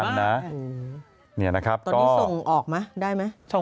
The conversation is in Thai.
ตอนนี้ส่งออกมาได้ไหมครับ